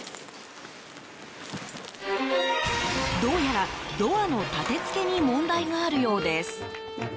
どうやら、ドアの建てつけに問題があるようです。